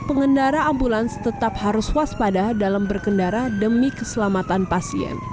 pengendara ambulans tetap harus waspada dalam berkendara demi keselamatan pasien